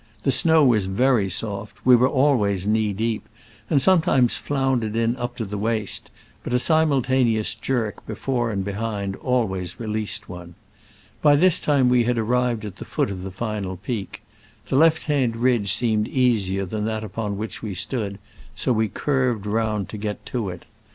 The snow was very soft: we were always knee deep, and sometimes floundered in up to the waist, but a simultaneous jerk before and be hind always released one. By this time we had arrived at the foot of the final peak. The left hand ridge seemed easier than that upon which we stood, so we curved round to get to it.